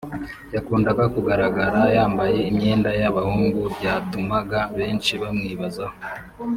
yakundaga kugaragara yambaye imyenda y’abahungu byatumaga benshi bamwibazaho